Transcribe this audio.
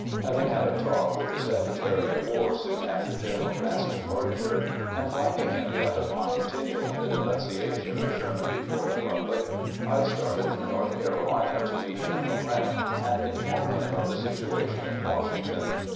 Having had a talk with the Secretary of War soon after General Grant's departure, and finding him bent upon continuing the denunciation of Sherman before the public, I started for North Carolina to meet General Grant and inform him of the situation in Wash ington.